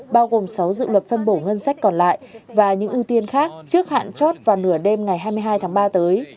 bao gồm sáu dự luật phân bổ ngân sách còn lại và những ưu tiên khác trước hạn chót vào nửa đêm ngày hai mươi hai tháng ba tới